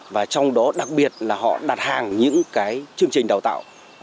và trong đó đặc biệt là họ đặt hàng những cái chương trình đào tạo